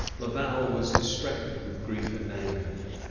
Laval was distracted with grief and anger.